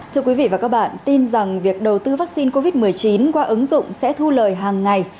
thưa quý vị và các bạn tin rằng việc đầu tư vaccine covid một mươi chín qua ứng dụng sẽ thu lời hàng ngày